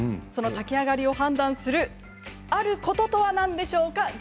その炊き上がりを判断する「あること」とは何でしょうか？